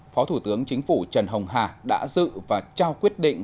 phó thủ tướng chính phủ trần hồng hà đã dự và trao quyết định